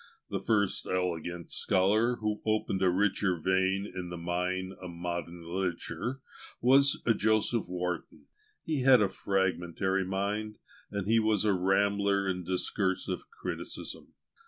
The first elegant scholar who opened a richer vein in the mine of MODERN LITERATURE was JOSEPH WARTON; he had a fragmentary mind, and he was a rambler in discursive criticism.